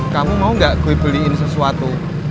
kamu mau gak gue beliin sesuatu